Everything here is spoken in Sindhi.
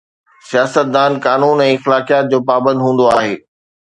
سياستدان قانون ۽ اخلاقيات جو پابند هوندو آهي.